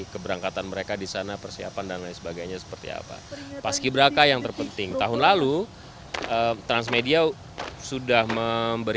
kru yang akan menempatkan kursi di belakang layar